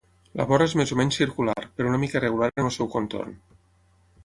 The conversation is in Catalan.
La vora és més o menys circular, però una mica irregular en el seu contorn.